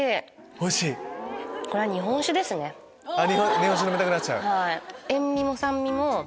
日本酒飲みたくなっちゃう。